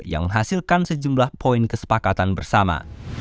yang menghasilkan sejumlah poin kesepakatan bersama